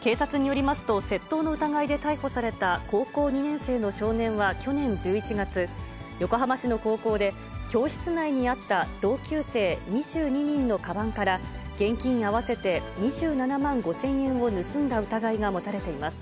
警察によりますと、窃盗の疑いで逮捕された、高校２年生の少年は去年１１月、横浜市の高校で、教室内にあった同級生２２人のかばんから、現金合わせて２７万５０００円を盗んだ疑いが持たれています。